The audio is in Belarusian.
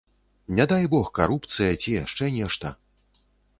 Не дай бог карупцыя ці яшчэ нешта.